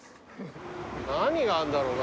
何があんだろうな。